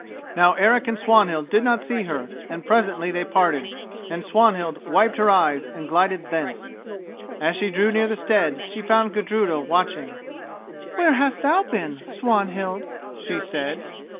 Now Eric and Swanhild did not see her, and presently they parted, and Swanhild wiped her eyes and glided thence. As she drew near the stead she found Gudruda watching. "Where hast thou been, Swanhild?" she said.